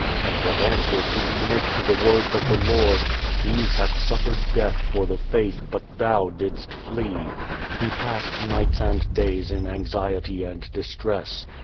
And what answer could he make to the words of the Lord: "These have suffered death for the faith, but thou didst flee." He passed nights and days in anxiety and distress.